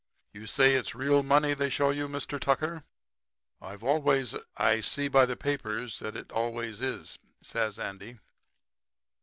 You say it's real money they show you, Mr. Tucker?' "'I've always I see by the papers that it always is,' says Andy.